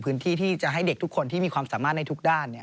พื้นที่ที่จะให้เด็กทุกคนที่มีความสามารถในทุกด้าน